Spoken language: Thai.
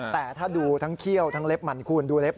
แต่ถ้าดูทั้งเขี้ยวทั้งเล็บมันคูณดูเล็บ